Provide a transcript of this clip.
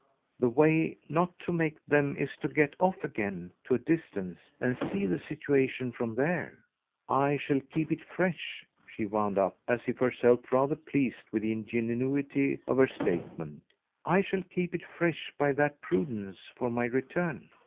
The way not to make them is to get off again to a distance and see the situation from there. I shall keep it fresh," she wound up as if herself rather pleased with the ingenuity of her statement "I shall keep it fresh, by that prudence, for my return."